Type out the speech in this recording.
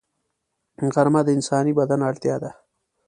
غرمه د انساني بدن اړتیا ده